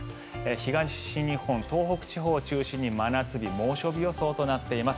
東日本、東北地方を中心に真夏日、猛暑日予想となっています。